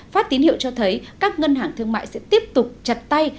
phát tín hiệu cho thấy các ngân hàng thương mại sẽ tiếp tục chặt tay